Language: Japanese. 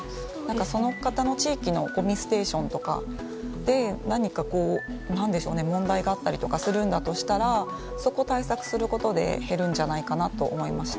その方の地域のごみステーションとかで何か、問題があったりとかするならそこを対策することで減るんじゃないかと思いました。